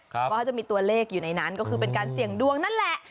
เพราะเขาจะมีตัวเลขอยู่ในนั้นก็คือเป็นการเสี่ยงดวงนั่นแหละ